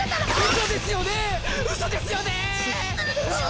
嘘ですよねーっ？